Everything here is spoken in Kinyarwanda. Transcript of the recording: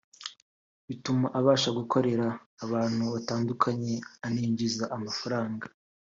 bituma abasha gukorera abantu batandukanye aninjiza amafaranga